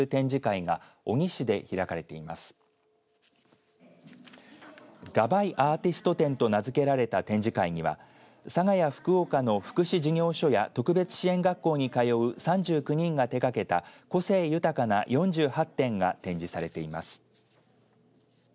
がばいアーティスト展と名付けられた展示会には佐賀や福岡の福祉事業所や特別支援学校に通う３９人が手がけた個性豊かな４８点が展示されています。